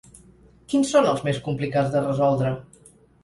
Quins són els més complicats de resoldre?